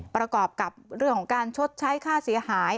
ประกอบกับเรื่องของการชดใช้ค่าเสียหาย